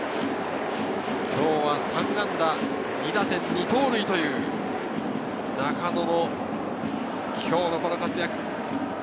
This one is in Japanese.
今日は３安打２打点２盗塁という中野の今日の活躍。